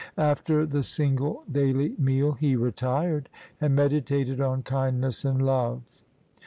After the single daily meal, he retired and meditated on kindness and love.